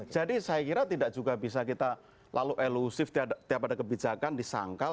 saya kira tidak juga bisa kita lalu elusif tiap ada kebijakan disangkal